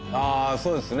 そうですね。